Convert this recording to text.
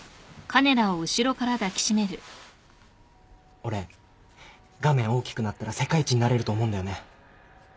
俺画面大きくなったら世界一になれると思うんだよね。